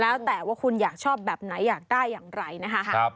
แล้วแต่ว่าคุณอยากชอบแบบไหนอยากได้อย่างไรนะคะ